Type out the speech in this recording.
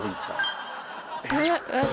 えっ！